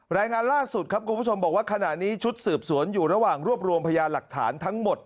รายงานล่าสุดครับคุณผู้ชมบอกว่าขณะนี้ชุดสืบสวนอยู่ระหว่างรวบรวมพยานหลักฐานทั้งหมด